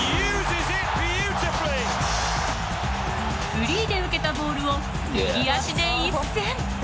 フリーで受けたボールを右足で一閃。